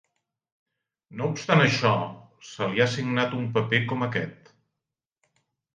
No obstant això, se li ha assignat un paper com aquest.